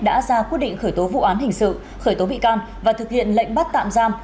đã ra quyết định khởi tố vụ án hình sự khởi tố bị can và thực hiện lệnh bắt tạm giam